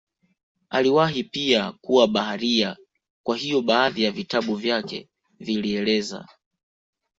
Aliwahi pia kuwa baharia kwa hiyo baadhi ya vitabu vyake vilieleza